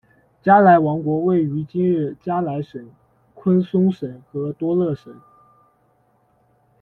嘉莱王国位于今日嘉莱省、昆嵩省和多乐省。